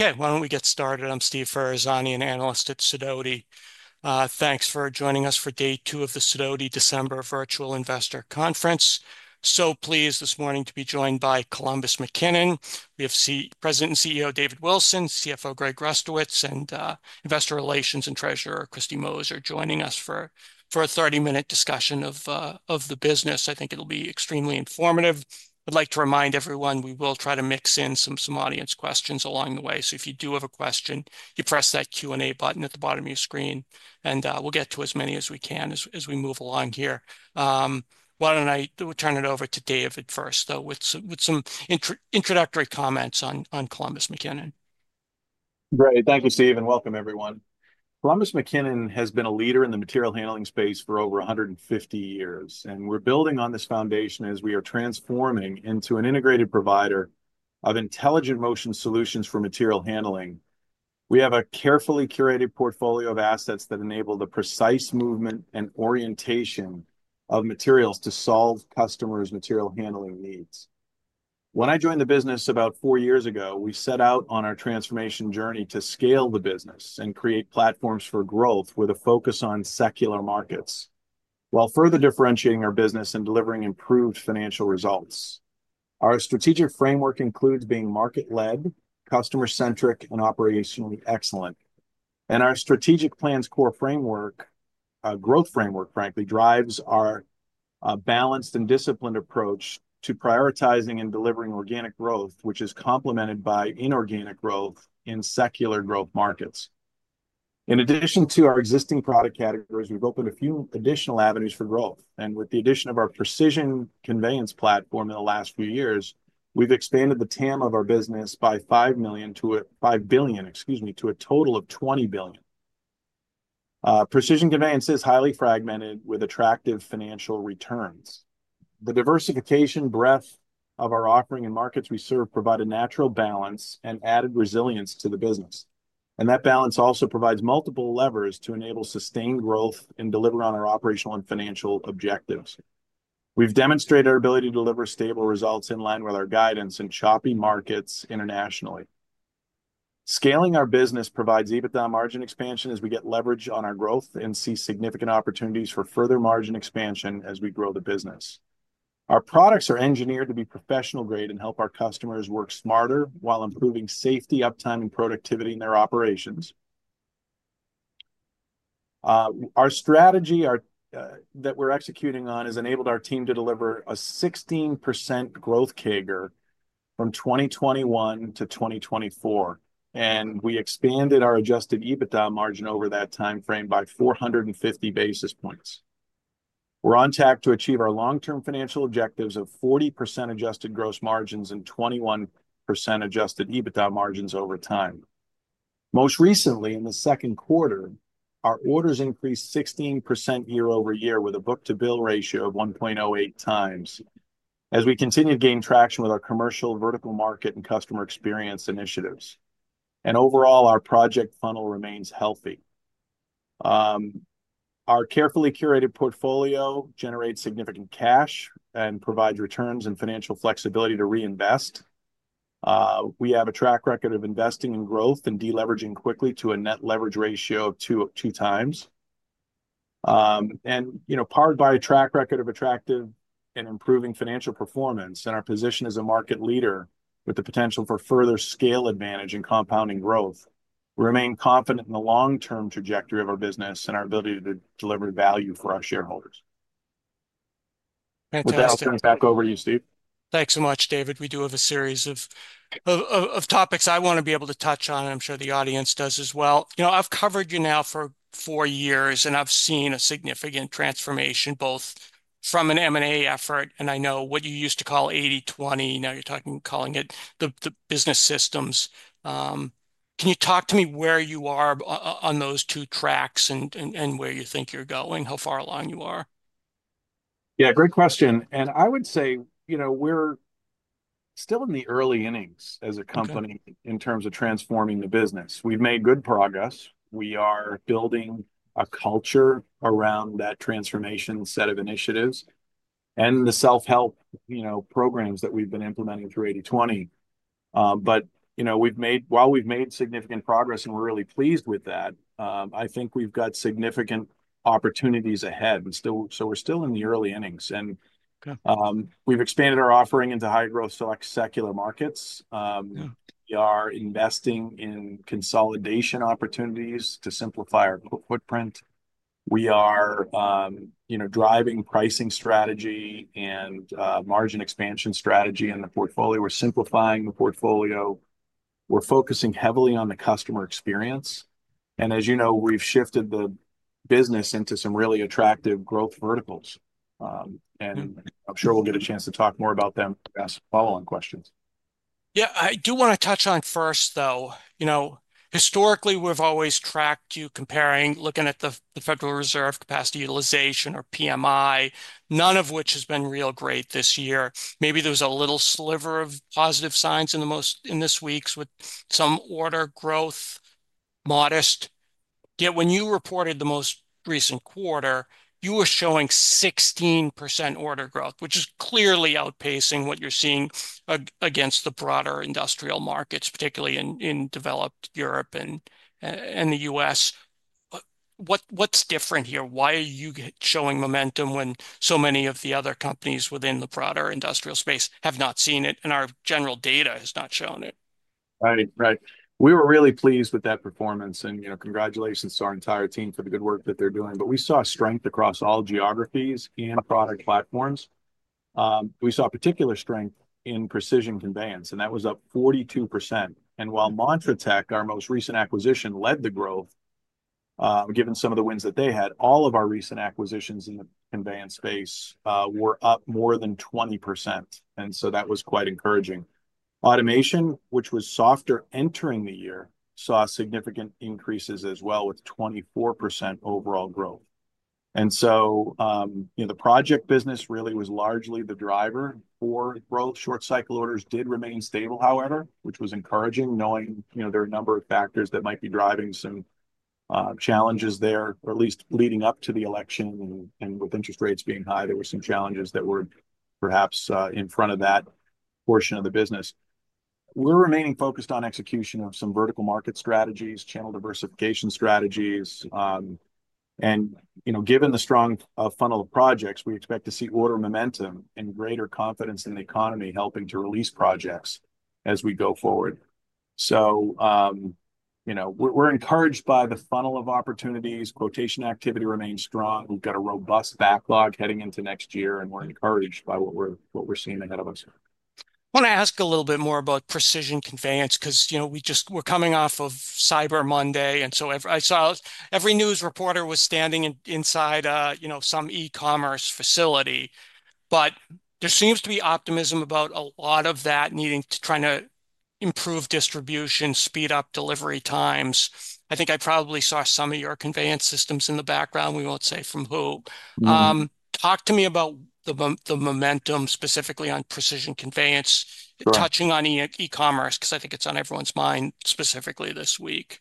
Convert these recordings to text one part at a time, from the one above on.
Okay, why don't we get started? I'm Steve Ferazani, an analyst at Sidoti. Thanks for joining us for day two of the Sidoti December Virtual Investor Conference. I'm so pleased this morning to be joined by Columbus McKinnon. We have President and CEO David Wilson, CFO Greg Rustowicz, and Investor Relations and Treasurer Kristy Moser joining us for a 30-minute discussion of the business. I think it'll be extremely informative. I'd like to remind everyone we will try to mix in some audience questions along the way. So if you do have a question, you press that Q&A button at the bottom of your screen, and we'll get to as many as we can as we move along here. Why don't I turn it over to David first, though, with some introductory comments on Columbus McKinnon? Great. Thank you, Steve, and welcome, everyone. Columbus McKinnon has been a leader in the material handling space for over 150 years, and we're building on this foundation as we are transforming into an integrated provider of intelligent motion solutions for material handling. We have a carefully curated portfolio of assets that enable the precise movement and orientation of materials to solve customers' material handling needs. When I joined the business about four years ago, we set out on our transformation journey to scale the business and create platforms for growth with a focus on secular markets while further differentiating our business and delivering improved financial results. Our strategic framework includes being market-led, customer-centric, and operationally excellent, and our strategic plans' core framework, a growth framework, frankly, drives our balanced and disciplined approach to prioritizing and delivering organic growth, which is complemented by inorganic growth in secular growth markets. In addition to our existing product categories, we've opened a few additional avenues for growth. And with the addition of our Precision Conveyance platform in the last few years, we've expanded the TAM of our business by $5 billion, excuse me, to a total of $20 billion. Precision Conveyance is highly fragmented with attractive financial returns. The diversification breadth of our offering and markets we serve provide a natural balance and added resilience to the business. And that balance also provides multiple levers to enable sustained growth and deliver on our operational and financial objectives. We've demonstrated our ability to deliver stable results in line with our guidance in choppy markets internationally. Scaling our business provides even margin expansion as we get leverage on our growth and see significant opportunities for further margin expansion as we grow the business. Our products are engineered to be professional-grade and help our customers work smarter while improving safety, uptime, and productivity in their operations. Our strategy that we're executing on has enabled our team to deliver a 16% growth CAGR from 2021- 2024, and we expanded our adjusted EBITDA margin over that timeframe by 450 basis points. We're on track to achieve our long-term financial objectives of 40% adjusted gross margins and 21% adjusted EBITDA margins over time. Most recently, in the second quarter, our orders increased 16% year over year with a book-to-bill ratio of 1.08 times as we continue to gain traction with our commercial vertical market and customer experience initiatives, and overall, our project funnel remains healthy. Our carefully curated portfolio generates significant cash and provides returns and financial flexibility to reinvest. We have a track record of investing in growth and deleveraging quickly to a net leverage ratio of two times, and powered by a track record of attractive and improving financial performance and our position as a market leader with the potential for further scale advantage and compounding growth, we remain confident in the long-term trajectory of our business and our ability to deliver value for our shareholders. Fantastic. Without turning it back over to you, Steve. Thanks so much, David. We do have a series of topics I want to be able to touch on, and I'm sure the audience does as well. I've covered you now for four years, and I've seen a significant transformation both from an M&A effort, and I know what you used to call 80/20. Now you're calling it the business systems. Can you talk to me where you are on those two tracks and where you think you're going, how far along you are? Yeah, great question. And I would say we're still in the early innings as a company in terms of transforming the business. We've made good progress. We are building a culture around that transformation set of initiatives and the self-help programs that we've been implementing through 80/20. But while we've made significant progress and we're really pleased with that, I think we've got significant opportunities ahead. So we're still in the early innings. And we've expanded our offering into high-growth secular markets. We are investing in consolidation opportunities to simplify our footprint. We are driving pricing strategy and margin expansion strategy in the portfolio. We're simplifying the portfolio. We're focusing heavily on the customer experience. And as you know, we've shifted the business into some really attractive growth verticals. And I'm sure we'll get a chance to talk more about them in the following questions. Yeah, I do want to touch on first, though. Historically, we've always tracked you comparing, looking at the Federal Reserve capacity utilization or PMI, none of which has been real great this year. Maybe there was a little sliver of positive signs in this week with some order growth, modest. Yet when you reported the most recent quarter, you were showing 16% order growth, which is clearly outpacing what you're seeing against the broader industrial markets, particularly in developed Europe and the US. What's different here? Why are you showing momentum when so many of the other companies within the broader industrial space have not seen it and our general data has not shown it? Right, right. We were really pleased with that performance, and congratulations to our entire team for the good work that they're doing, but we saw strength across all geographies and product platforms. We saw particular strength in Precision Conveyance, and that was up 42%. And while Montratec, our most recent acquisition, led the growth, given some of the wins that they had, all of our recent acquisitions in the conveyance space were up more than 20%. And so that was quite encouraging. Automation, which was softer entering the year, saw significant increases as well with 24% overall growth. And so the project business really was largely the driver for growth. Short-cycle orders did remain stable, however, which was encouraging knowing there are a number of factors that might be driving some challenges there, or at least leading up to the election. And with interest rates being high, there were some challenges that were perhaps in front of that portion of the business. We're remaining focused on execution of some vertical market strategies, channel diversification strategies. And given the strong funnel of projects, we expect to see order momentum and greater confidence in the economy helping to release projects as we go forward. So we're encouraged by the funnel of opportunities. Quotation activity remains strong. We've got a robust backlog heading into next year, and we're encouraged by what we're seeing ahead of us. I want to ask a little bit more about Precision Conveyance because we're coming off of Cyber Monday. And so I saw every news reporter was standing inside some e-commerce facility. But there seems to be optimism about a lot of that needing to try to improve distribution, speed up delivery times. I think I probably saw some of your conveyance systems in the background. We won't say from who. Talk to me about the momentum specifically on Precision Conveyance, touching on e-commerce because I think it's on everyone's mind specifically this week.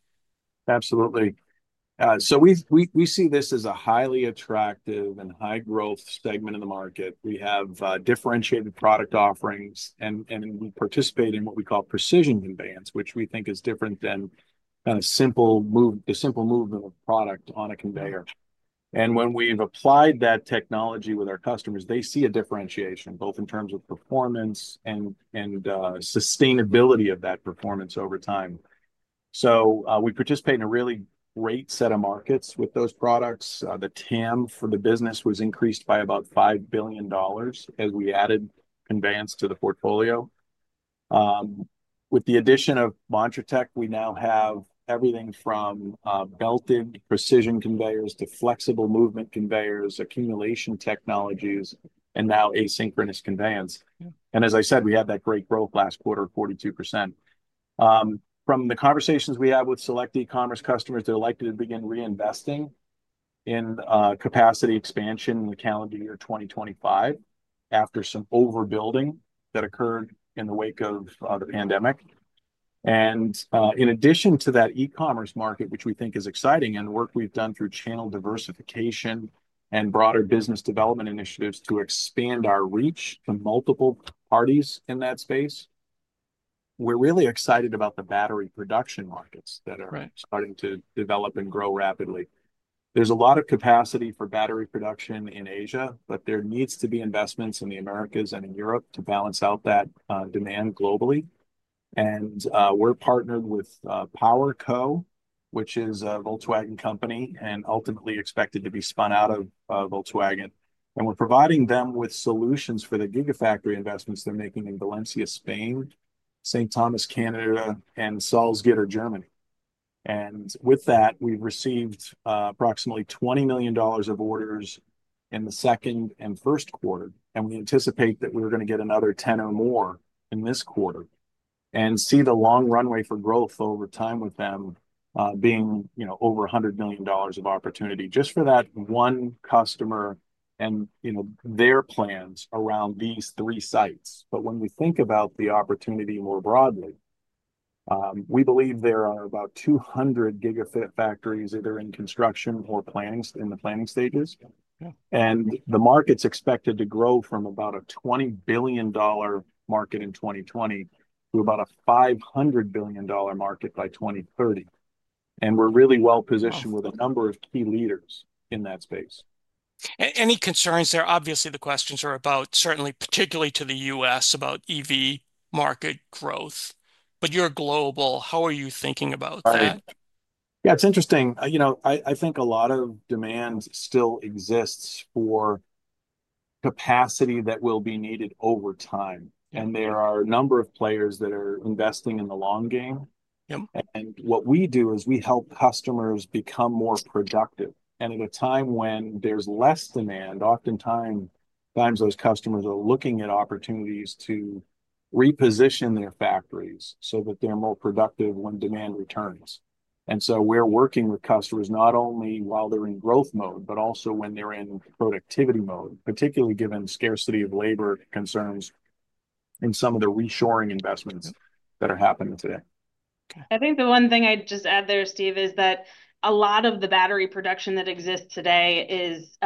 Absolutely. So we see this as a highly attractive and high-growth segment in the market. We have differentiated product offerings, and we participate in what we call Precision Conveyance, which we think is different than the simple movement of product on a conveyor. And when we've applied that technology with our customers, they see a differentiation both in terms of performance and sustainability of that performance over time. So we participate in a really great set of markets with those products. The TAM for the business was increased by about $5 billion as we added conveyance to the portfolio. With the addition of Montratec, we now have everything from belted precision conveyors to flexible movement conveyors, accumulation technologies, and now asynchronous conveyance. And as I said, we had that great growth last quarter, 42%. From the conversations we have with select e-commerce customers, they're likely to begin reinvesting in capacity expansion in the calendar year 2025 after some overbuilding that occurred in the wake of the pandemic, and in addition to that e-commerce market, which we think is exciting and work we've done through channel diversification and broader business development initiatives to expand our reach to multiple parties in that space, we're really excited about the battery production markets that are starting to develop and grow rapidly. There's a lot of capacity for battery production in Asia, but there needs to be investments in the Americas and in Europe to balance out that demand globally, and we're partnered with PowerCo, which is a Volkswagen company and ultimately expected to be spun out of Volkswagen, and we're providing them with solutions for the Gigafactory investments they're making in Valencia, Spain, St. Thomas, Canada, and Salzgitter, Germany. With that, we've received approximately $20 million of orders in the second and first quarter. We anticipate that we're going to get another 10 or more in this quarter and see the long runway for growth over time with them being over $100 million of opportunity just for that one customer and their plans around these three sites. But when we think about the opportunity more broadly, we believe there are about 200 gigafactories either in construction or in the planning stages. The market's expected to grow from about a $20 billion market in 2020 to about a $500 billion market by 2030. We're really well positioned with a number of key leaders in that space. Any concerns there? Obviously, the questions are about, certainly, particularly to the U.S., about EV market growth. But you're global. How are you thinking about that? Yeah, it's interesting. I think a lot of demand still exists for capacity that will be needed over time. And there are a number of players that are investing in the long game. And what we do is we help customers become more productive. And at a time when there's less demand, oftentimes those customers are looking at opportunities to reposition their factories so that they're more productive when demand returns. And so we're working with customers not only while they're in growth mode, but also when they're in productivity mode, particularly given scarcity of labor concerns in some of the reshoring investments that are happening today. I think the one thing I'd just add there, Steve, is that a lot of the battery production that exists today is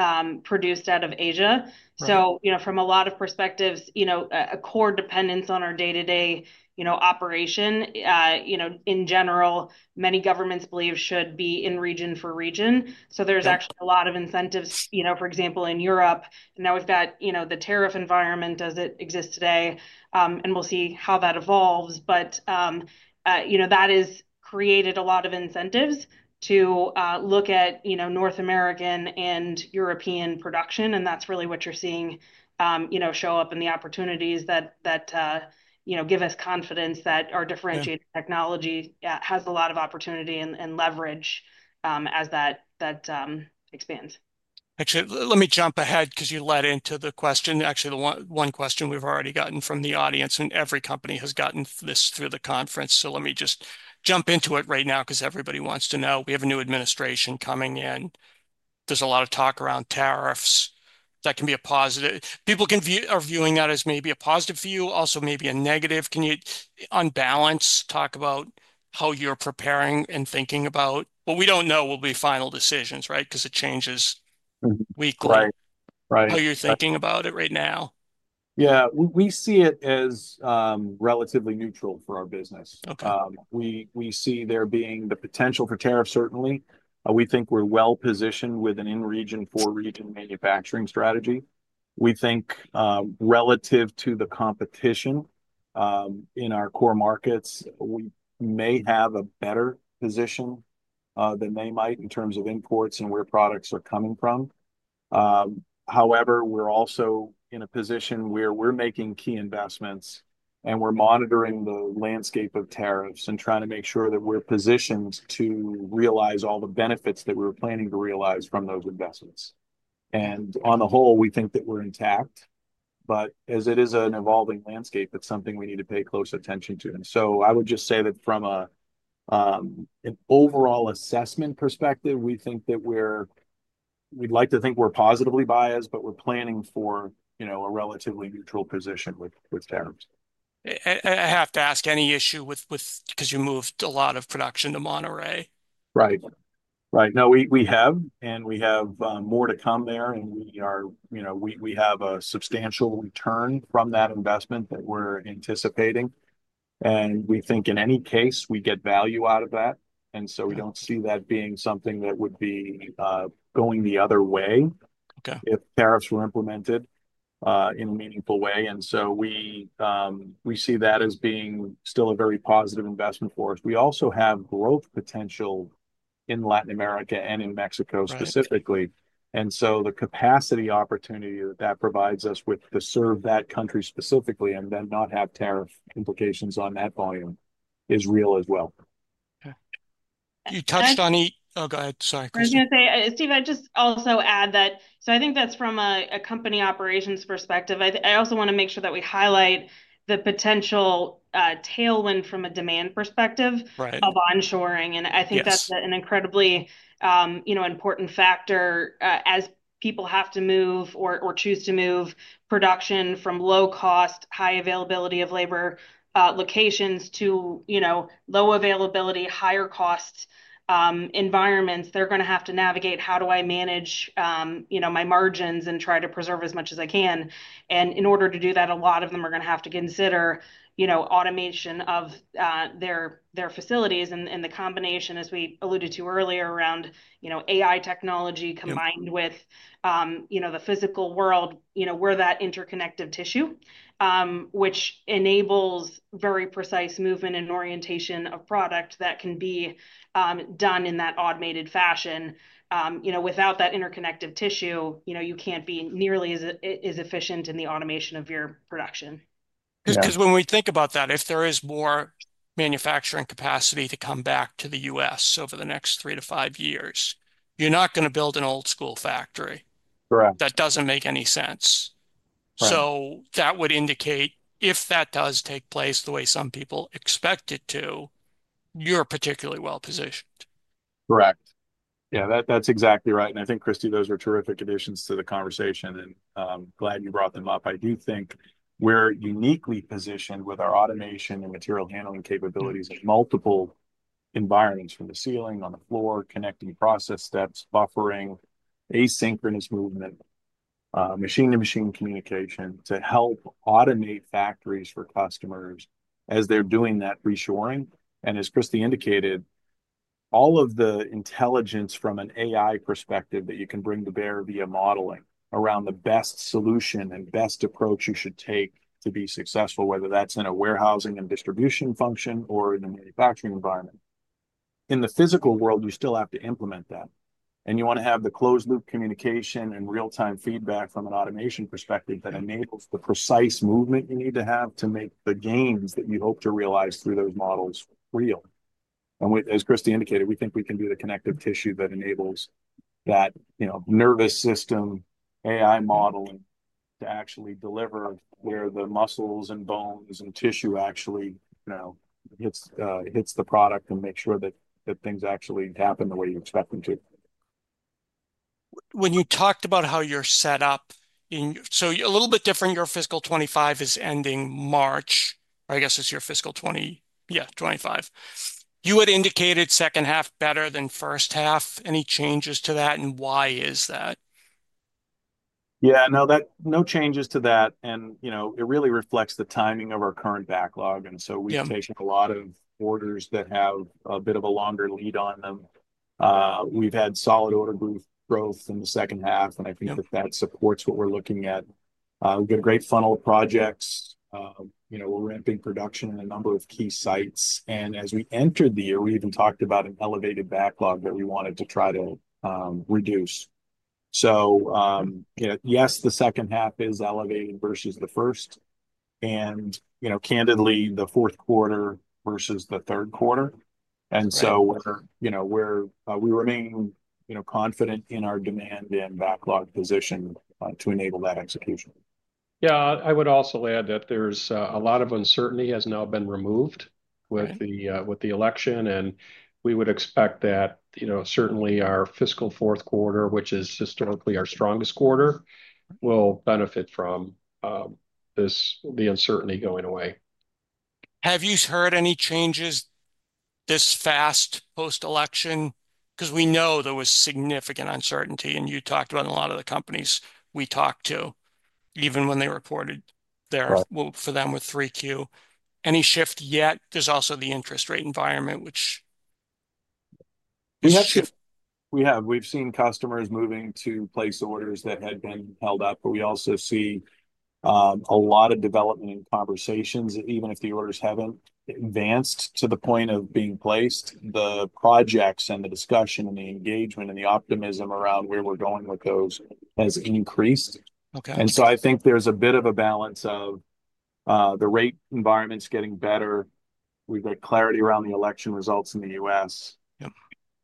produced out of Asia. So from a lot of perspectives, a core dependence on our day-to-day operation, in general, many governments believe should be in region for region. So there's actually a lot of incentives, for example, in Europe. Now we've got the tariff environment as it exists today, and we'll see how that evolves. But that has created a lot of incentives to look at North American and European production. And that's really what you're seeing show up in the opportunities that give us confidence that our differentiated technology has a lot of opportunity and leverage as that expands. Actually, let me jump ahead because you led into the question. Actually, the one question we've already gotten from the audience, and every company has gotten this through the conference. So let me just jump into it right now because everybody wants to know. We have a new administration coming in. There's a lot of talk around tariffs. That can be a positive. People are viewing that as maybe a positive view, also maybe a negative. Can you, on balance, talk about how you're preparing and thinking about what we don't know will be final decisions, right? Because it changes weekly. Right, right. How you're thinking about it right now? Yeah, we see it as relatively neutral for our business. We see there being the potential for tariffs, certainly. We think we're well positioned with an in-region, for-region manufacturing strategy. We think relative to the competition in our core markets, we may have a better position than they might in terms of imports and where products are coming from. However, we're also in a position where we're making key investments, and we're monitoring the landscape of tariffs and trying to make sure that we're positioned to realize all the benefits that we were planning to realize from those investments. And on the whole, we think that we're intact. But as it is an evolving landscape, it's something we need to pay close attention to. I would just say that from an overall assessment perspective, we think that we're—we'd like to think we're positively biased, but we're planning for a relatively neutral position with tariffs. I have to ask, any issue with, because you moved a lot of production to Monterrey? Right, right. No, we have, and we have more to come there. And we have a substantial return from that investment that we're anticipating. And we think in any case, we get value out of that. And so we don't see that being something that would be going the other way if tariffs were implemented in a meaningful way. And so we see that as being still a very positive investment for us. We also have growth potential in Latin America and in Mexico specifically. And so the capacity opportunity that that provides us with to serve that country specifically and then not have tariff implications on that volume is real as well. You touched on, oh, go ahead. Sorry. I was going to say, Steve, I'd just also add that, so I think that's from a company operations perspective. I also want to make sure that we highlight the potential tailwind from a demand perspective of onshoring. And I think that's an incredibly important factor as people have to move or choose to move production from low-cost, high-availability of labor locations to low-availability, higher-cost environments. They're going to have to navigate, "How do I manage my margins and try to preserve as much as I can?" And in order to do that, a lot of them are going to have to consider automation of their facilities. And the combination, as we alluded to earlier around AI technology combined with the physical world, we're that interconnected tissue, which enables very precise movement and orientation of product that can be done in that automated fashion. Without that interconnected tissue, you can't be nearly as efficient in the automation of your production. Because when we think about that, if there is more manufacturing capacity to come back to the U.S. over the next three to five years, you're not going to build an old-school factory. Correct. That doesn't make any sense, so that would indicate if that does take place the way some people expect it to, you're particularly well positioned. Correct. Yeah, that's exactly right. And I think, Christy, those are terrific additions to the conversation, and glad you brought them up. I do think we're uniquely positioned with our automation and material handling capabilities in multiple environments from the ceiling, on the floor, connecting process steps, buffering, asynchronous movement, machine-to-machine communication to help automate factories for customers as they're doing that reshoring. And as Christy indicated, all of the intelligence from an AI perspective that you can bring to bear via modeling around the best solution and best approach you should take to be successful, whether that's in a warehousing and distribution function or in a manufacturing environment. In the physical world, you still have to implement that. You want to have the closed-loop communication and real-time feedback from an automation perspective that enables the precise movement you need to have to make the gains that you hope to realize through those models real. As Christy indicated, we think we can do the connective tissue that enables that nervous system AI model to actually deliver where the muscles and bones and tissue actually hits the product and make sure that things actually happen the way you expect them to. When you talked about how you're set up, so a little bit different, your fiscal 2025 is ending March, or I guess it's your fiscal 20, yeah, 2025. You had indicated second half better than first half. Any changes to that, and why is that? Yeah, no, no changes to that. And it really reflects the timing of our current backlog. And so we've taken a lot of orders that have a bit of a longer lead on them. We've had solid order growth in the second half, and I think that supports what we're looking at. We've got great funnel projects. We're ramping production in a number of key sites. And as we entered the year, we even talked about an elevated backlog that we wanted to try to reduce. So yes, the second half is elevated versus the first. And candidly, the fourth quarter versus the third quarter. And so we remain confident in our demand and backlog position to enable that execution. Yeah, I would also add that a lot of uncertainty has now been removed with the election. We would expect that certainly our fiscal fourth quarter, which is historically our strongest quarter, will benefit from the uncertainty going away. Have you heard any changes this fast post-election? Because we know there was significant uncertainty, and you talked about, in a lot of the companies we talked to, even when they reported their for them with Q3. Any shift yet? There's also the interest rate environment, which. We have. We've seen customers moving to place orders that had been held up, but we also see a lot of development in conversations. Even if the orders haven't advanced to the point of being placed, the projects and the discussion and the engagement and the optimism around where we're going with those has increased. And so I think there's a bit of a balance of the rate environment's getting better. We've got clarity around the election results in the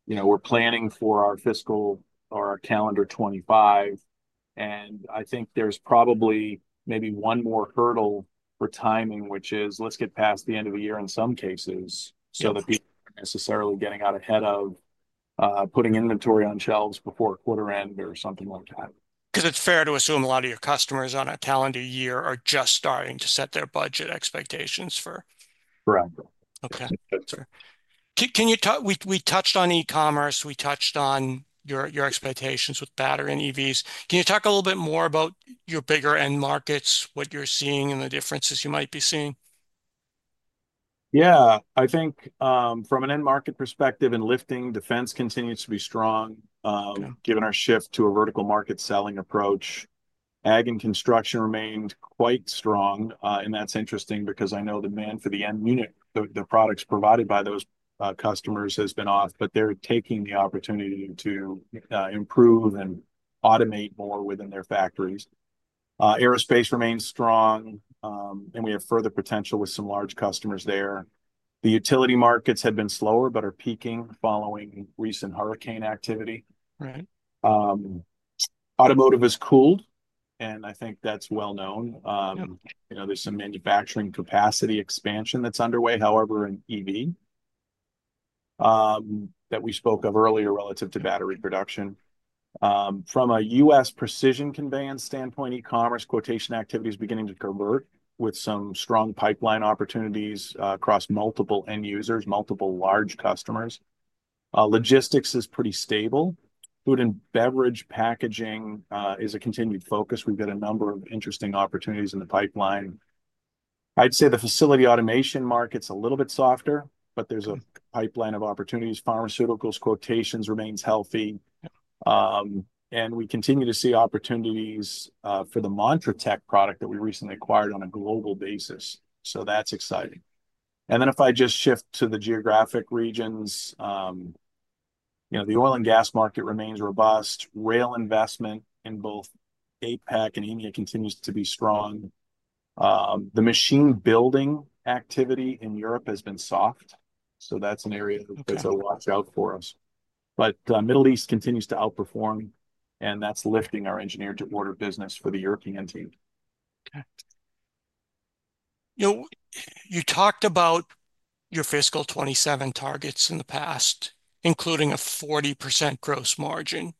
U.S. We're planning for our fiscal or our calendar 2025. And I think there's probably maybe one more hurdle for timing, which is let's get past the end of the year in some cases so that people aren't necessarily getting out ahead of putting inventory on shelves before quarter end or something like that. Because it's fair to assume a lot of your customers on a calendar year are just starting to set their budget expectations for. Correct. Okay. We touched on e-commerce. We touched on your expectations with battery and EVs. Can you talk a little bit more about your bigger end markets, what you're seeing and the differences you might be seeing? Yeah. I think from an end market perspective and lifting, defense continues to be strong. Given our shift to a vertical market selling approach, ag and construction remained quite strong. And that's interesting because I know the demand for the end user, the products provided by those customers has been off, but they're taking the opportunity to improve and automate more within their factories. Aerospace remains strong, and we have further potential with some large customers there. The utility markets have been slower but are picking up following recent hurricane activity. Automotive has cooled, and I think that's well known. There's some manufacturing capacity expansion that's underway, however, in EV that we spoke of earlier relative to battery production. From a U.S. Precision Conveyance standpoint, e-commerce quotation activity is beginning to convert with some strong pipeline opportunities across multiple end users, multiple large customers. Logistics is pretty stable. Food and beverage packaging is a continued focus. We've got a number of interesting opportunities in the pipeline. I'd say the facility automation market's a little bit softer, but there's a pipeline of opportunities. Pharmaceuticals quotations remain healthy. And we continue to see opportunities for the Montratec product that we recently acquired on a global basis. So that's exciting. And then if I just shift to the geographic regions, the oil and gas market remains robust. Rail investment in both APAC and India continues to be strong. The machine building activity in Europe has been soft. So that's an area that's a watch-out for us. But the Middle East continues to outperform, and that's lifting our engineer-to-order business for the European team. Okay. You talked about your fiscal 2027 targets in the past, including a 40% gross margin.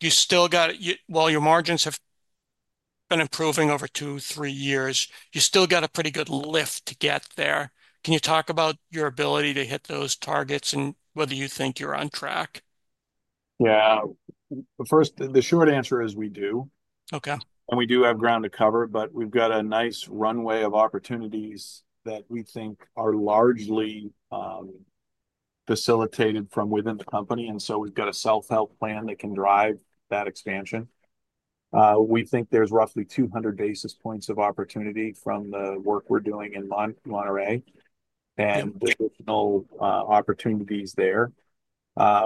You still got it. While your margins have been improving over two, three years, you still got a pretty good lift to get there. Can you talk about your ability to hit those targets and whether you think you're on track? Yeah. First, the short answer is we do. And we do have ground to cover, but we've got a nice runway of opportunities that we think are largely facilitated from within the company. And so we've got a self-help plan that can drive that expansion. We think there's roughly 200 basis points of opportunity from the work we're doing in Monterrey and additional opportunities there.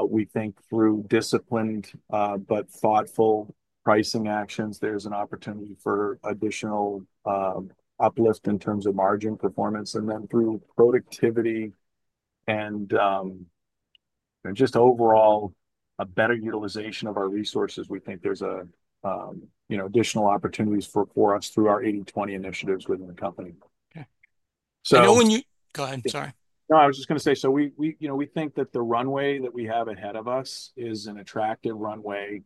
We think through disciplined but thoughtful pricing actions, there's an opportunity for additional uplift in terms of margin performance. And then through productivity and just overall a better utilization of our resources, we think there's additional opportunities for us through our 80/20 initiatives within the company. Okay. You know when you go ahead. Sorry. No, I was just going to say, so we think that the runway that we have ahead of us is an attractive runway.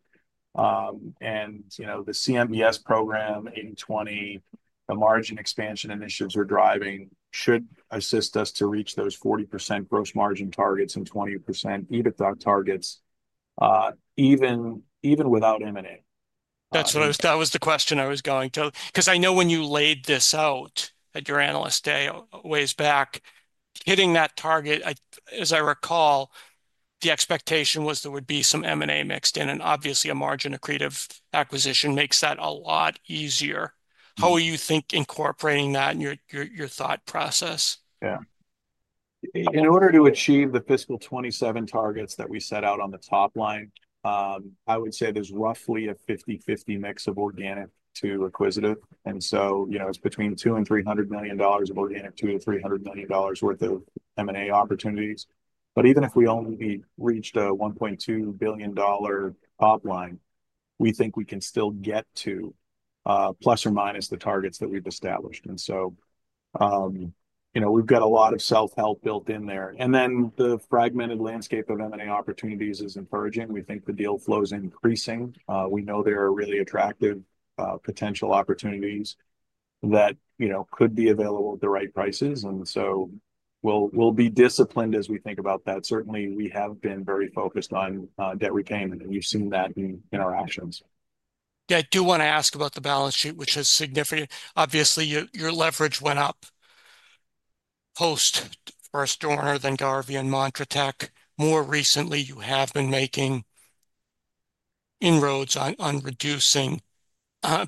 And the CMBS program, 80/20, the margin expansion initiatives we're driving should assist us to reach those 40% gross margin targets and 20% EBITDA targets even without M&A. That's what I was—that was the question I was going to. Because I know when you laid this out at your analyst day way back, hitting that target, as I recall, the expectation was there would be some M&A mixed in. And obviously, a margin accretive acquisition makes that a lot easier. How will you think incorporating that in your thought process? Yeah. In order to achieve the fiscal 2027 targets that we set out on the top line, I would say there's roughly a 50/50 mix of organic to acquisitive. And so it's between $200 million and $300 million of organic, $200-$300 million worth of M&A opportunities. But even if we only reached a $1.2 billion top line, we think we can still get to plus or minus the targets that we've established. And so we've got a lot of self-help built in there. And then the fragmented landscape of M&A opportunities is encouraging. We think the deal flow's increasing. We know there are really attractive potential opportunities that could be available at the right prices. And so we'll be disciplined as we think about that. Certainly, we have been very focused on debt repayment, and we've seen that in our actions. Yeah. I do want to ask about the balance sheet, which is significant. Obviously, your leverage went up post-Dorner, then Garvey and Montratec. More recently, you have been making inroads on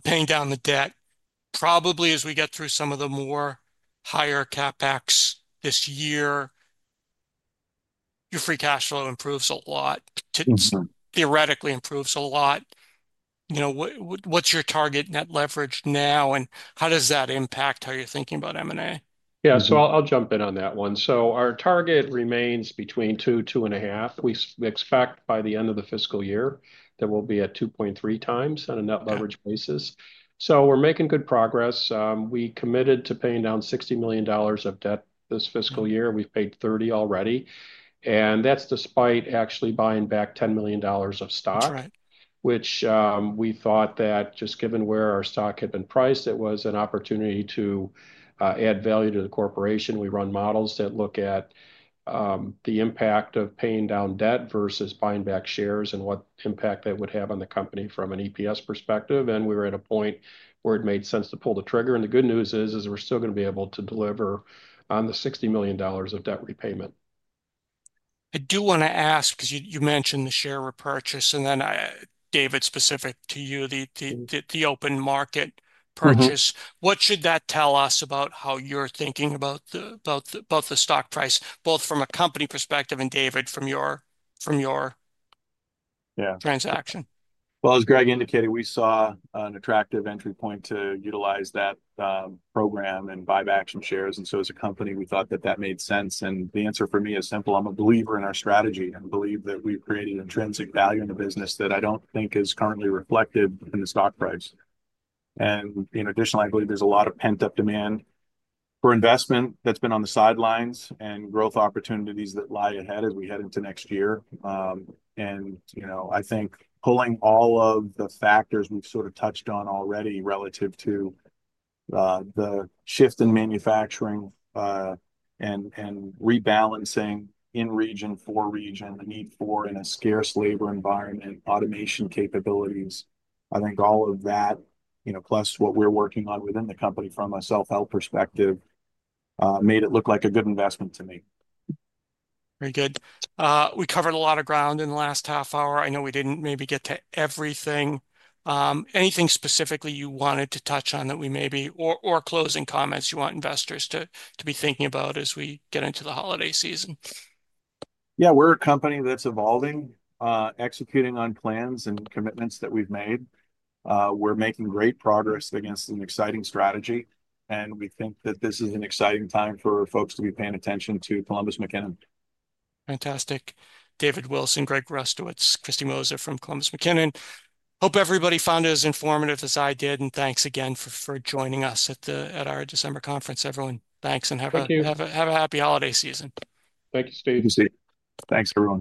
paying down the debt. Probably as we get through some of the more higher CapEx this year, your free cash flow improves a lot, theoretically improves a lot. What's your target net leverage now, and how does that impact how you're thinking about M&A? Yeah. So I'll jump in on that one. Our target remains between 2-2.5. We expect by the end of the fiscal year that we'll be at 2.3 times on a net leverage basis. We're making good progress. We committed to paying down $60 million of debt this fiscal year. We've paid $30 million already, and that's despite actually buying back $10 million of stock, which we thought that just given where our stock had been priced, it was an opportunity to add value to the corporation. We run models that look at the impact of paying down debt versus buying back shares and what impact that would have on the company from an EPS perspective, and we were at a point where it made sense to pull the trigger. The good news is, we're still going to be able to deliver on the $60 million of debt repayment. I do want to ask, because you mentioned the share repurchase and then, David, specific to you, the open market purchase. What should that tell us about how you're thinking about both the stock price, both from a company perspective and, David, from your transaction? As Greg indicated, we saw an attractive entry point to utilize that program and buy back some shares. As a company, we thought that that made sense. The answer for me is simple. I'm a believer in our strategy and believe that we've created intrinsic value in the business that I don't think is currently reflected in the stock price. Additionally, I believe there's a lot of pent-up demand for investment that's been on the sidelines and growth opportunities that lie ahead as we head into next year. I think pulling all of the factors we've sort of touched on already relative to the shift in manufacturing and rebalancing in region for region, the need for, in a scarce labor environment, automation capabilities. I think all of that, plus what we're working on within the company from a self-help perspective, made it look like a good investment to me. Very good. We covered a lot of ground in the last half hour. I know we didn't maybe get to everything. Anything specifically you wanted to touch on that we maybe, or closing comments you want investors to be thinking about as we get into the holiday season? Yeah. We're a company that's evolving, executing on plans and commitments that we've made. We're making great progress against an exciting strategy. And we think that this is an exciting time for folks to be paying attention to Columbus McKinnon. Fantastic. David Wilson, Greg Rustowicz, Kristy Moser from Columbus McKinnon. Hope everybody found it as informative as I did. And thanks again for joining us at our December conference, everyone. Thanks and have a happy holiday season. Thank you. Thank you, Steve. Thanks everyone.